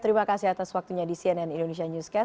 terima kasih atas waktunya di cnn indonesia newscast